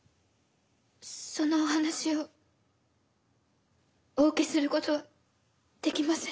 そのお話をお受けすることはできません。